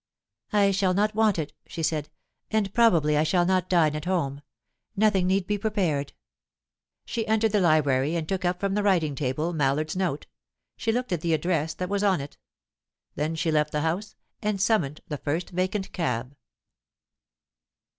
"I shall not want it," she said. "And probably I shall not dine at home. Nothing need be prepared." She entered the library, and took up from the writing table Mallard's note; she looked at the address that was on it. Then she left the house, and summoned the first vacant cab.